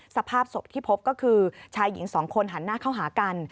สภาพศพที่พบก็คือชายหญิงสองคนหันหน้าเข้าหากัน